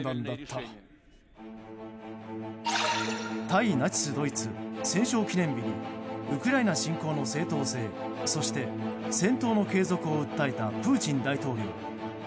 対ナチスドイツ戦勝記念日にウクライナ侵攻の正当性そして戦闘の継続を訴えたプーチン大統領。